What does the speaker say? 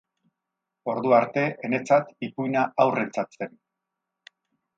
Ordu arte, enetzat, ipuina haurrentzat zen.